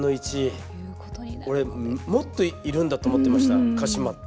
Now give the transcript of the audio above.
俺もっといるんだと思ってました鹿島って。